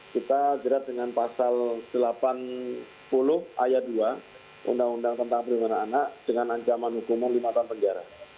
kita jerat dengan pasal delapan puluh ayat dua undang undang tentang perlindungan anak dengan ancaman hukuman lima tahun penjara